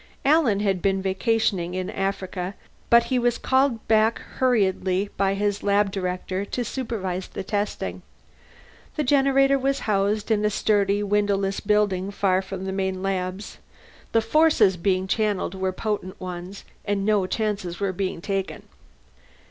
Alan had been vacationing in Africa, but he was called back hurriedly by his lab director to supervise the testing. The generator was housed in a sturdy windowless building far from the main labs; the forces being channelled were potent ones, and no chances were being taken.